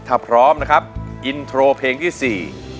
ถ้าพร้อมนะครับอินโทรเพลงที่สี่